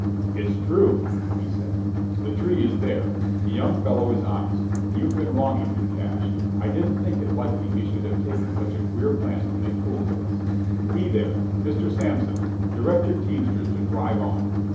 "It's true," he said: "the tree is there. The young fellow is honest: you've been wronging him, Cash. I didn't think it likely he should have taken such a queer plan to make fools of us. He there! Mr Sansom! Direct your teamsters to drive on!"